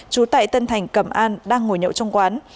trú tại tân thành cẩm an đang ngồi nhậu trong quán